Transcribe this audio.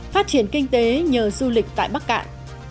phát triển kinh tế nhờ du lịch tại bắc cạn